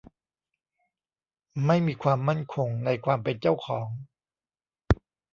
ไม่มีความมั่นคงในความเป็นเจ้าของ